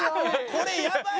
これやばいよ！